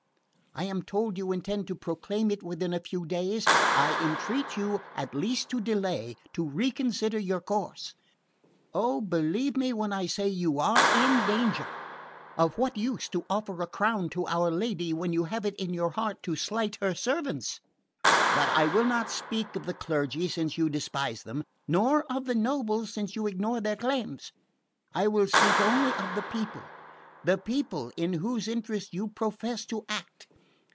I am told you intend to proclaim it within a few days. I entreat you at least to delay, to reconsider your course. Oh, believe me when I say you are in danger! Of what use to offer a crown to our Lady, when you have it in your heart to slight her servants? But I will not speak of the clergy, since you despise them nor of the nobles, since you ignore their claims. I will speak only of the people the people, in whose interest you profess to act.